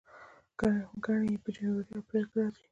ګڼې یې په جنوري او اپریل کې راځي.